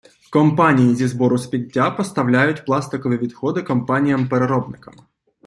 Компанії зі збору сміття поставляють пластикові відходи компаніям-переробникам.